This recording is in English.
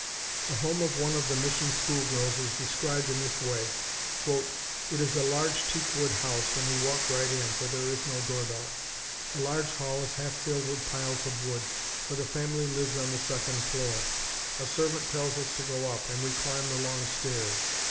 The home of one of the mission school girls is described in this way: "It is a large teakwood house, and we walk right in, for there is no door bell. The large hall is half filled with piles of wood, for the family lives on the second floor. A servant tells us to go up, and we climb the long stairs.